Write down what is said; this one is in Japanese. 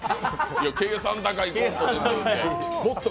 計算高いコントやって。